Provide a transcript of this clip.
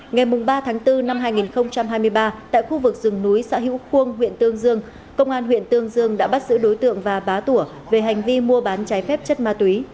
ngày ba tháng bốn năm hai nghìn hai mươi ba tại khu vực rừng núi xã hữu khuôn huyện tương dương công an huyện tương dương đã bắt giữ đối tượng và bá tủa về hành vi mua bán trái phép chất ma túy